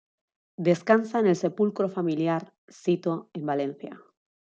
Descansa en el sepulcro familiar sito en Valencia.